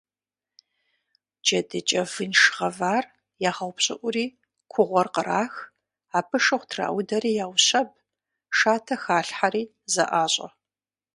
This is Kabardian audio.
Джэдыкӏэ вынш гъэвар ягъэупщӏыӏури кугъуэр кърах, абы шыгъу траудэри яущэб, шатэ халъхьэри, зэӏащӏэ.